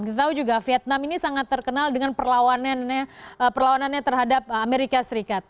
kita tahu juga vietnam ini sangat terkenal dengan perlawanannya terhadap amerika serikat